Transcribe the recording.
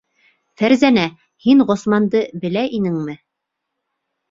Фәрзәнә, һин Ғосманды белә инеңме?